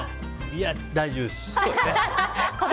いや、大丈夫です。